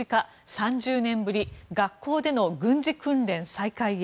３０年ぶり学校での軍事訓練再開へ。